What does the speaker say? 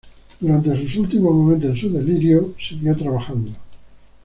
Durante sus últimos momentos en su delirio, siguió trabajando.